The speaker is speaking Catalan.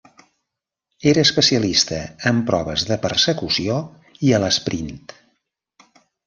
Era especialista en proves de persecució i a l'esprint.